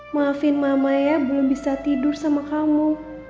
maafin mama ya belum bisa tidur sama kamu